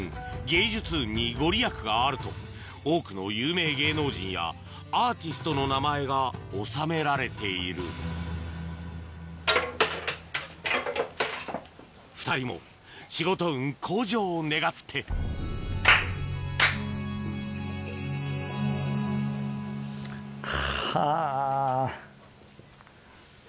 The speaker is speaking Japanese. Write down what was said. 芸術運に御利益があると多くの有名芸能人やアーティストの名前がおさめられている２人も仕事運向上を願ってかぁ。